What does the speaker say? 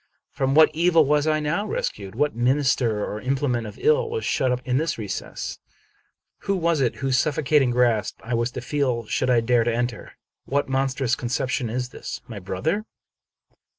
From what evil was I now rescued? What minister or implement of ill was shut up in this recess ? Who was it whose suffocating grasp I was to feel should I dare to enter it? What mon strous conception is this? My brother?